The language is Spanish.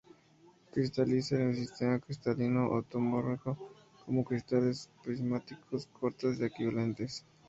Cristaliza en el sistema cristalino ortorrómbico como cristales prismáticos cortos a equivalentes.